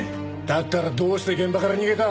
だったらどうして現場から逃げた？